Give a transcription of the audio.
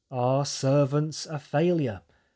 " Are Servants a Failure ?